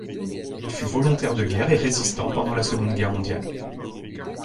Il fut volontaire de guerre et résistant pendant la Seconde guerre mondiale.